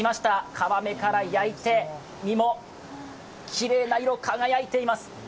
皮目から焼いて、身もきれいな色、輝いています。